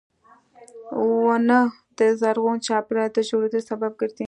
• ونه د زرغون چاپېریال د جوړېدو سبب ګرځي.